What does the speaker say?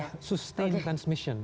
jadi sudah sustained transmission